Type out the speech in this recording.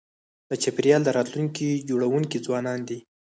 د چاپېریال د راتلونکي جوړونکي ځوانان دي.